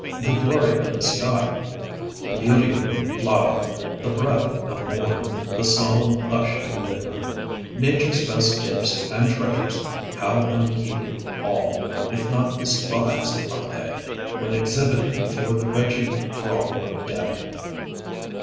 The glory of the sky, the beauty of the flower, the breath of morn, the solemn hush of midnight, Nature's best gifts and treasures, how unheeded all, if not despised are they, when exhibited before the wretched thrall of debt!